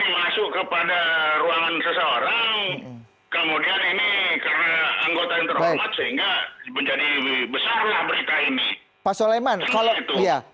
kemudian ini karena anggota yang terhormat sehingga menjadi besarnya berita ini